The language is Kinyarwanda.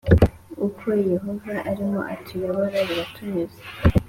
Uko Yehova arimo atuyobora biratunyura